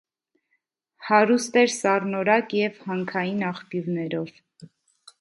Հարուստ էր սառնորակ և հանքային աղբյուրներով։